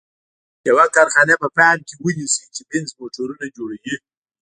یوه کارخانه په پام کې ونیسئ چې بینز موټرونه جوړوي.